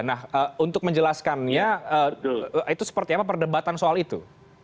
nah untuk menjelaskannya itu seperti apa perdebatan soal itu